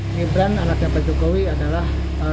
gibran anaknya pak jokowi adalah